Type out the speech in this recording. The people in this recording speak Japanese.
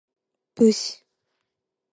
武士